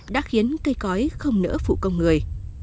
đã khiến cây cõi không nỡ phụ công người